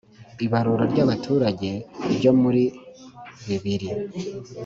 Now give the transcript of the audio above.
ibarura ry'abaturage ryo muri bibiri